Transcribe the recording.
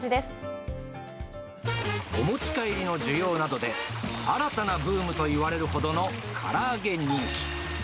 お持ち帰りの需要などで、新たなブームといわれるほどのから揚げ人気。